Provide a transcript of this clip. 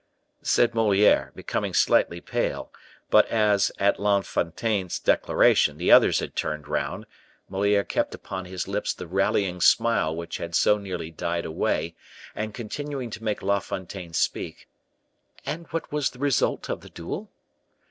said Moliere, becoming slightly pale; but as, at La Fontaine's declaration, the others had turned round, Moliere kept upon his lips the rallying smile which had so nearly died away, and continuing to make La Fontaine speak "And what was the result of the duel?"